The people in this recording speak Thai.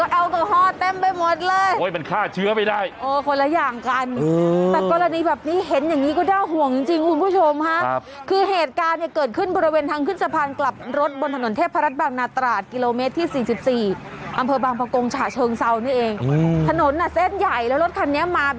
ก็อลโกฮอตเต็มไปหมดเลยโอ้ยมันฆ่าเชื้อไปได้เออคนละอย่างกันอืมแต่กรณีแบบนี้เห็นอย่างงี้ก็ได้ห่วงจริงจริงคุณผู้ชมค่ะครับคือเหตุการณ์เนี่ยเกิดขึ้นบริเวณทางขึ้นสะพานกลับรถบนถนนเทพรัดบังนาตราศกิโลเมตรที่สี่สิบสี่อัมเภอบังพากงฉาเชิงเซานี่เองอืมถนนน่ะ